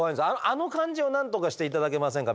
あの感じをなんとかして頂けませんか？